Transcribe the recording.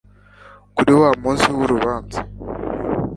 kuri wa munsi w'urubanza